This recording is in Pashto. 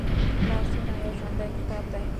لاسونه یو ژوندی کتاب دی